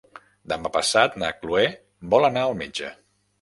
Demà passat na Chloé vol anar al metge.